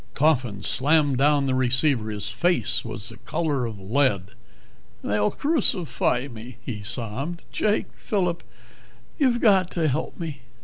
Coffin slammed down the receiver. His face was the color of lead. "They'll crucify me!" he sobbed. "Jake Phillip you've got to help me."